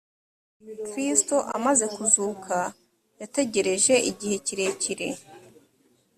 kristo amaze kuzuka yategereje igihe kirekire